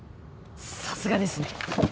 さすがですね。